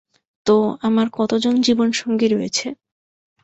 তো, আমার কতজন জীবনসঙ্গী রয়েছে?